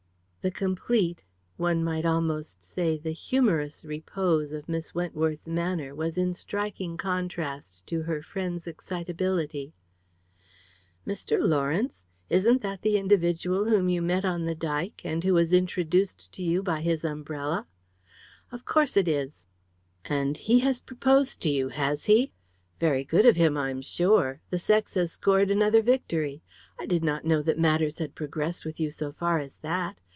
The complete, and one might almost say, the humorous repose of Miss Wentworth's manner was in striking contrast to her friend's excitability. "Mr. Lawrence? Isn't that the individual whom you met on the Dyke, and who was introduced to you by his umbrella?" "Of course it is!" "And he has proposed to you, has he? Very good of him, I'm sure. The sex has scored another victory. I did not know that matters had progressed with you so far as that!